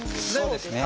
そうですね。